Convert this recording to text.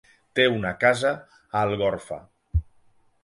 Té una casa a Algorfa.